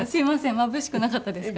まぶしくなかったですか？